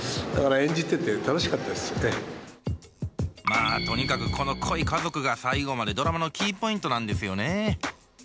まあとにかくこの濃い家族が最後までドラマのキーポイントなんですよね。